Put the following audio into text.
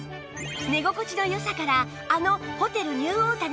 寝心地の良さからあのホテルニューオータニ